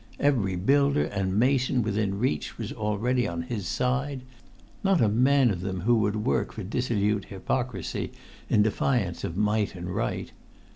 Every builder and mason within reach was already on his side; not a man of them who would work for dissolute hypocrisy in defiance of might and right.